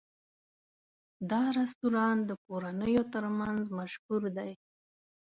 دا رستورانت د کورنیو تر منځ مشهور دی.